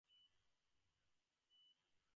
উভয় প্রকার বিশ্লেষণই একই সত্যে উপনীত হইয়াছে।